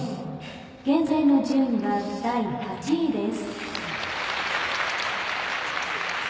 現在の順位は８位です。